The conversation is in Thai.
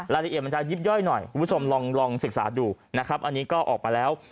รายละเอียดมันจะยิบย่อยหน่อยคุณผู้ชมลองศึกษาดูนะครับอันนี้ก็ออกมาแล้ว